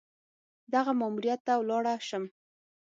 دغه ماموریت ته ولاړه شم.